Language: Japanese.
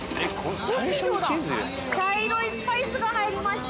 香辛料だ茶色いスパイスが入りました。